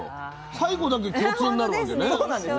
最後だけ共通になると。